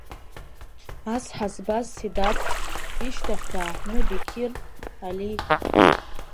Ас ҳазбаз Седат, ишьҭахь дааҳәны Беқир, Али!